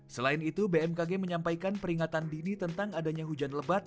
selain itu bmkg menyampaikan peringatan dini tentang adanya hujan lebat